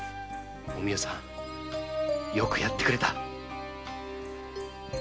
おみよさんよくやってくれた。